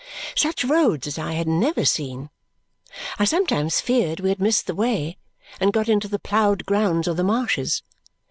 Such roads I had never seen. I sometimes feared we had missed the way and got into the ploughed grounds or the marshes.